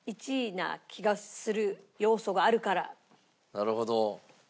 なるほど。